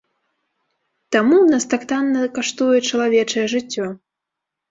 Таму ў нас так танна каштуе чалавечае жыццё.